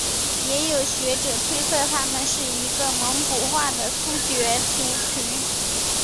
也有学者推测他们是一个蒙古化的突厥族群。